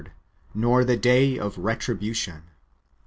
197 nor the day of retribution.